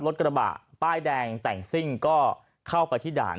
รถกระบะป้ายแดงแต่งซิ่งก็เข้าไปที่ด่าน